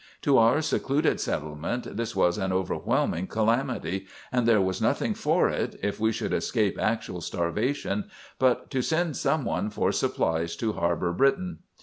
To our secluded settlement this was an overwhelming calamity; and there was nothing for it, if we would escape actual starvation, but to send some one for supplies to Harbor Briton.